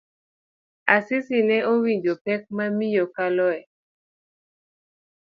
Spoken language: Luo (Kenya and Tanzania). Asisi ne owinjo pek ma miyo kaloe.